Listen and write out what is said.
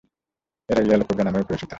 এরা yellow cobra নামেও পরিচিত।